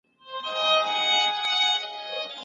تر هغه وروسته د مقابل اړخ لپاره مناسب معيارونه وټاکئ